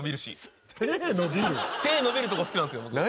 手ぇ伸びるとこ好きなんですよ。